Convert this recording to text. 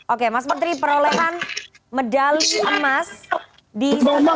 oke mas menteri perolehan medali emas di nomor